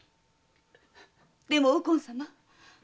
でも右近様